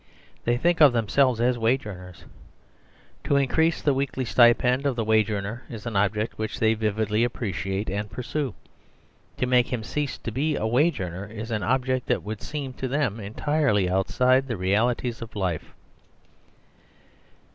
They think of themselves as wage earners. To increase the weekly stipend of the wage earner is an object which they vividly appreci ate and pursue. To make him cease to be a wage earner is an object that would seem to them entirely 138 MAKING FOR SERVILE STATE outside the realities of life.